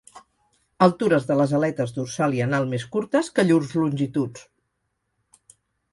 Altures de les aletes dorsal i anal més curtes que llurs longituds.